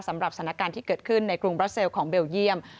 สำหรับสถานการณ์ที่เกิดขึ้นในกรุงบราเซลของเบลเยี่ยม